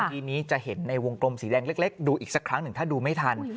ทีนี้จะเห็นในวงกลมสีแดงเล็กดูอีกสักครั้งหนึ่งถ้าดูไม่ทัน